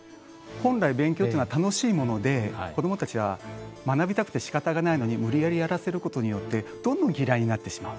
本来勉強っていうのは楽しいもので子どもたちは学びたくてしかたがないのに無理やりやらせることによってどんどん嫌いになってしまう。